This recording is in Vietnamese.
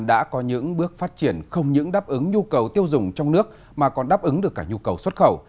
đã có những bước phát triển không những đáp ứng nhu cầu tiêu dùng trong nước mà còn đáp ứng được cả nhu cầu xuất khẩu